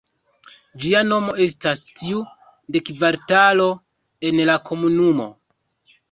Ĝia nomo estas tiu de kvartalo en la komunumo.